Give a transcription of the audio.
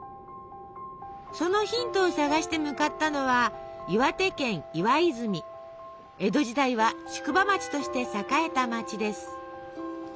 そのヒントを探して向かったのは江戸時代は宿場町として栄えた町です。